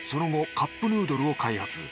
カップヌードルを開発。